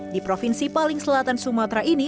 di provinsi paling selatan sumatera ini